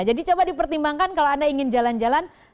jadi coba dipertimbangkan kalau anda ingin jalan jalan